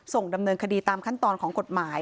ส่งดำเนินคดีตามขั้นตอนของกฎหมาย